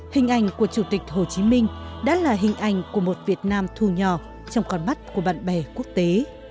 hình ảnh của chủ tịch hồ chí minh đã là hình ảnh của một việt nam thu nhỏ trong con mắt của bạn bè quốc tế